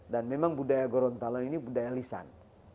dan memang budaya gorontalo ini budaya lisan